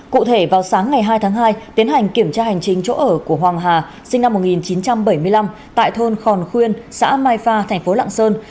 cụ thể vào sáng ngày hai tháng hai tiến hành kiểm tra hành trình chất ma túy